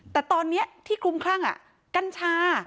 แต่ตอนนี้ที่กุ้มคลั่งอ่ะกัญชา